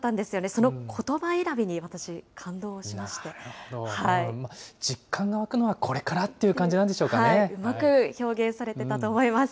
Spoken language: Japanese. そのことば選びに私、感動しまし実感がわくのは、これからっうまく表現されてたと思います。